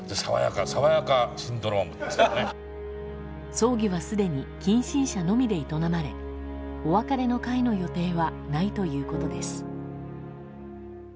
葬儀はすでに近親者のみで営まれお別れの会の予定はないということです。